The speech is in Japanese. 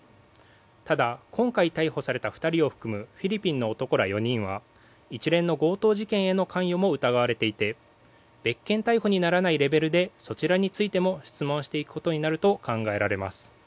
ただ、今回逮捕された２人を含むフィリピンの男ら４人は一連の強盗事件への関与も疑われていて別件逮捕にならないレベルでそちらについても質問していくことになると考えられます。